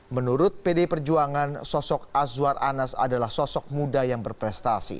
menurut pd perjuangan sosok azwar anas adalah sosok muda yang berprestasi